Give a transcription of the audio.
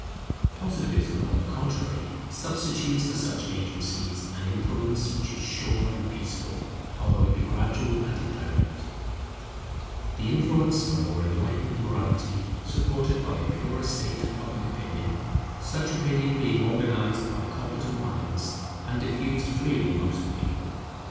Positivism, on the contrary, substitutes for such agencies, an influence which is sure and peaceful, although it be gradual and indirect; the influence of a more enlightened morality, supported by a purer state of Public Opinion; such opinion being organized by competent minds, and diffused freely amongst the people.